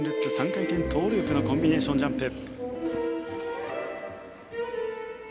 ３回転トウループのコンビネーションジャンプ。